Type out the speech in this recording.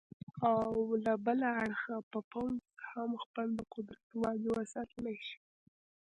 او له بله اړخه به پوځ هم خپل د قدرت واګې وساتلې شي.